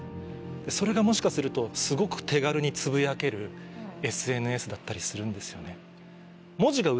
それがもしかするとすごく手軽につぶやけるＳＮＳだったりするんですよね。